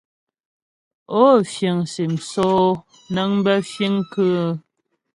Ó fìŋ sim sóó nəŋ bə fìŋ kʉ́ʉ ?